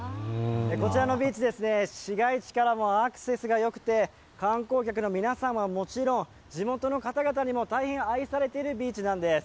こちらのビーチ、市街地からもアクセスがよくて、観光客の皆さんはもちろん地元の方々にも大変愛されているビーチなんです。